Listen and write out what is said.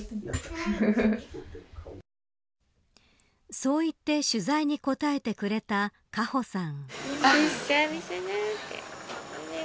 そういって取材に答えてくれた果歩さん。